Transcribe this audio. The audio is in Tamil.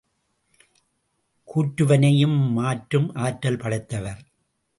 கூற்றுவனையும் மாற்றும் ஆற்றல் படைத்தவர்.